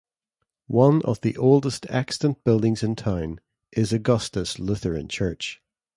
One of the oldest extant buildings in town is Augustus Lutheran Church.